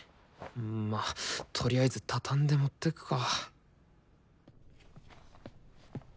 まあとりあえず畳んで持ってくか。